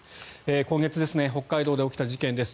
今月、北海道で起きた事件です。